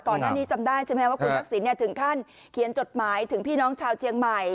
ก่อนหน้านี้จำได้ใช่ไหมว่าคุณทักษิณถึงขั้นเขียนจดหมายถึงพี่น้องชาวเชียงใหม่